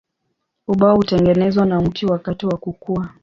Ubao hutengenezwa na mti wakati wa kukua.